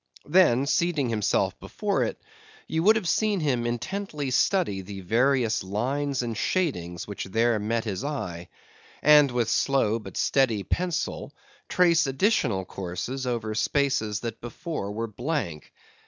Then seating himself before it, you would have seen him intently study the various lines and shadings which there met his eye; and with slow but steady pencil trace additional courses over spaces that before were blank.